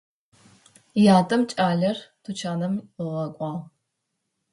Ятэм кӏалэр тучанэм ыгъэкӏуагъ.